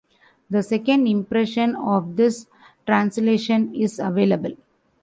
The second impression of this translation is available.